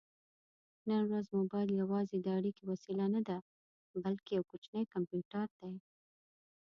نن ورځ مبایل یوازې د اړیکې وسیله نه ده، بلکې یو کوچنی کمپیوټر دی.